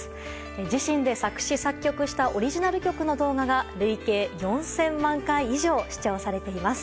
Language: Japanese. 自身で作詞・作曲したオリジナル曲の動画が累計４０００万回以上視聴されています。